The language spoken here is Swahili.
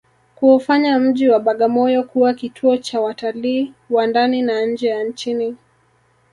kuufanya mji wa Bagamoyo kuwa kituo cha watalii wa ndani na nje ya nchini